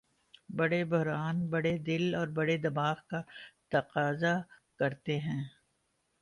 بڑے بحران بڑے دل اور بڑے دماغ کا تقاضا کرتے ہیں۔